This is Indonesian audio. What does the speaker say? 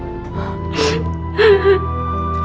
bapak sudah pergi kerja